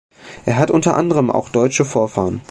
Er hat unter anderem auch deutsche Vorfahren.